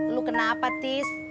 lu kenapa tis